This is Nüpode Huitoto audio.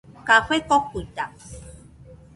Café kokuita.